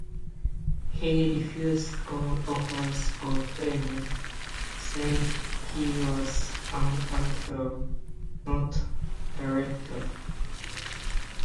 He refused all offers of payment, saying he was an actor, not a director.